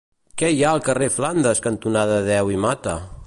Què hi ha al carrer Flandes cantonada Deu i Mata?